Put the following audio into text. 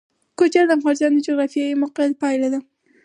کوچیان د افغانستان د جغرافیایي موقیعت پایله ده.